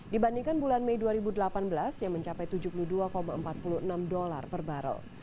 dibandingkan bulan mei dua ribu delapan belas yang mencapai tujuh puluh dua empat puluh enam dolar per barrel